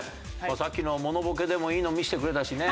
さっきのモノボケでもいいの見せてくれたしね。